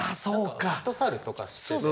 フットサルとかしてたよね。